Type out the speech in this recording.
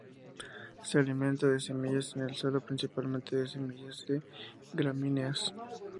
Se alimenta de semillas en el suelo, principalmente de semillas de gramíneas.